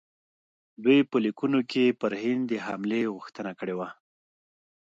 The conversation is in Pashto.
دوی په لیکونو کې پر هند د حملې غوښتنه کړې وه.